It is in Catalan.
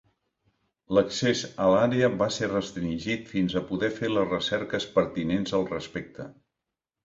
L'accés a l'àrea va ser restringit fins a poder fer les recerques pertinents al respecte.